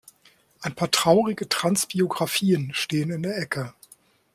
Ein paar traurige Trans-Biografien stehen in der Ecke.